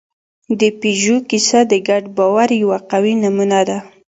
د پيژو کیسه د ګډ باور یوه قوي نمونه ده.